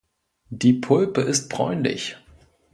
Die Pulpe ist bräunlich.